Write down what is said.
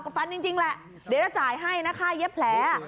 เอาฟันจริงเดี๋ยวจะจ่ายให้ไว้ข้าเย็บแผล